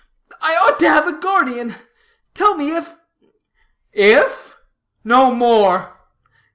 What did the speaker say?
I ought to have a guardian. Tell me, if " "If? No more!"